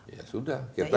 ya sudah kita